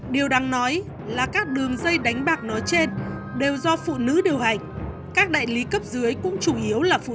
điều đáng nói là các đường dây đánh bạc nói trên đều do phụ nữ điều hành các đại lý cấp dưới cũng chủ yếu là phụ nữ